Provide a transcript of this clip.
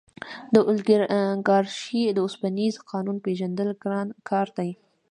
د اولیګارشۍ د اوسپنیز قانون پېژندل ګران کار دی.